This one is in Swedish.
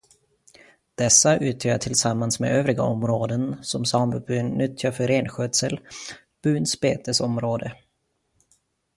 Dessa utgör tillsammans med övriga områden som samebyn nyttjar för renskötsel byns betesområde.